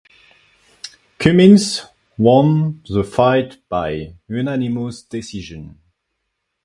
Cummins won the fight by unanimous decision.